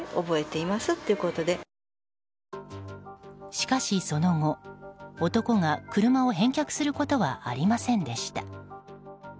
しかし、その後、男が車を返却することはありませんでした。